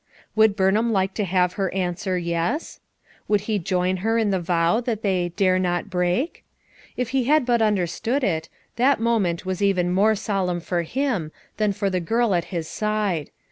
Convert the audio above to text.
Would Burnham like to have her an swer, "Yes?" Would he Join her in the vow that they "dare not break?" If he had but understood it, that moment was even more solemn for him, than for the girl at his side.